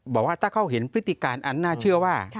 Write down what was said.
บอกว่าถ้าเขาเห็นพฤติการอันน่าเชื่อว่า